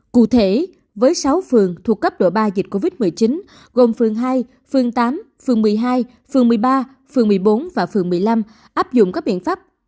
cụ thể với sáu phường thuộc cấp độ ba dịch covid một mươi chín gồm phường hai phường tám phường một mươi hai phường một mươi ba phường một mươi bốn và phường một mươi năm áp dụng các biện pháp